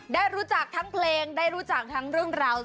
ได้รู้จักทั้งเพลงได้รู้จักทั้งเรื่องราว